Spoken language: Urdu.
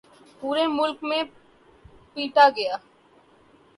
پورے ملک میں پیٹا گیا۔